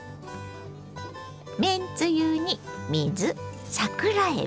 めんつゆに水桜えび